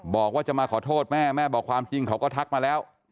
บอกว่าจะมาขอโทษแม่แม่บอกความจริงเขาก็ทักมาแล้ว